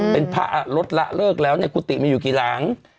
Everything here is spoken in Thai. เป็นพระลดละเลิกแล้วในกุฏิมีอยู่กี่หลัง